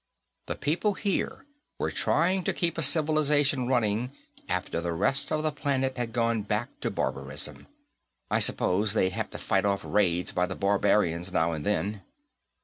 The people here were trying to keep a civilization running after the rest of the planet had gone back to barbarism; I suppose they'd have to fight off raids by the barbarians now and then."